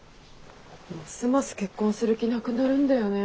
ますます結婚する気なくなるんだよね。